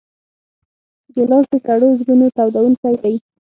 ګیلاس د سړو زړونو تودوونکی دی.